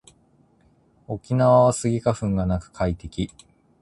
沖縄はスギ花粉がなくて快適